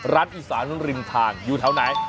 ร้านอีสานริมทางอยู่แถวไหน